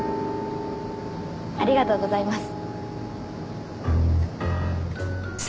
ありがとうございます。